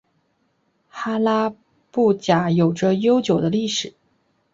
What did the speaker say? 哈拉卜贾有着悠久的历史。